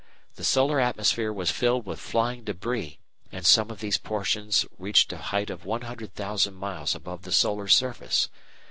The solar atmosphere was filled with flying debris, and some of these portions reached a height of 100,000 miles above the solar surface.